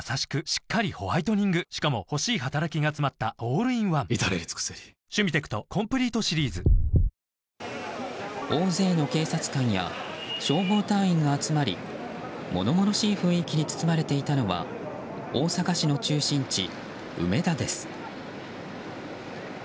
しっかりホワイトニングしかも欲しい働きがつまったオールインワン至れり尽せり大勢の警察官や消防隊員が集まり物々しい雰囲気に包まれていたのは大阪市の中心地・梅田です。